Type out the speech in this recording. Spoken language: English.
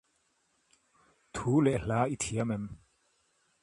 Two upper floors and the roof are crudely constructed.